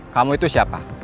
kamu itu siapa